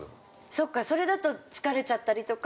◆そっか、それだと疲れちゃったりとか。